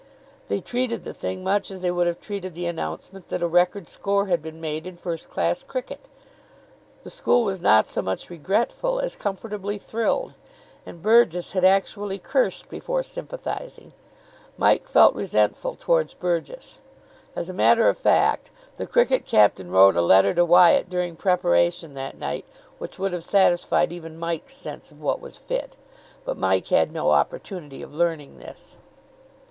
They treated the thing much as they would have treated the announcement that a record score had been made in first class cricket. The school was not so much regretful as comfortably thrilled. And Burgess had actually cursed before sympathising. Mike felt resentful towards Burgess. As a matter of fact, the cricket captain wrote a letter to Wyatt during preparation that night which would have satisfied even Mike's sense of what was fit. But Mike had no opportunity of learning this.